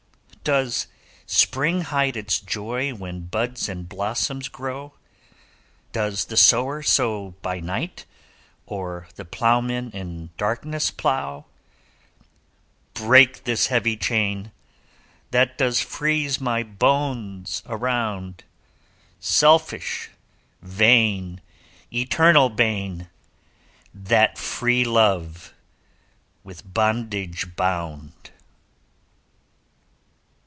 'Does spring hide its joy, When buds and blossoms grow? Does the sower Sow by night, Or the ploughman in darkness plough? 'Break this heavy chain, That does freeze my bones around! Selfish, vain, Eternal bane, That free love with bondage bound.